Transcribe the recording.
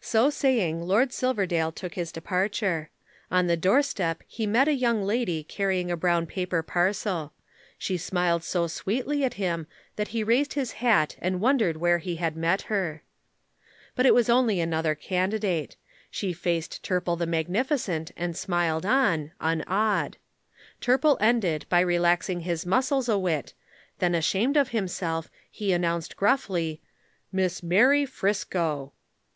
So saying Lord Silverdale took his departure. On the doorstep he met a young lady carrying a brown paper parcel. She smiled so sweetly at him that he raised his hat and wondered where he had met her. But it was only another candidate. She faced Turple the magnificent and smiled on, unawed. Turple ended by relaxing his muscles a whit, then ashamed of himself he announced gruffly, "Miss Mary Friscoe."